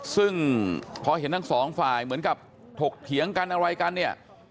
ซึ่งพอเห็นทั้งสองฝ่ายเหมือนกับถกเถียงกันอะไรกันเนี่ย